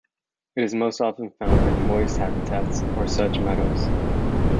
It is most often found in moist habitats or sedge meadows.